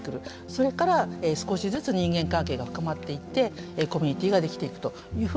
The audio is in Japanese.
それから少しずつ人間関係が深まっていってコミュニティが出来ていくというふうに思っています。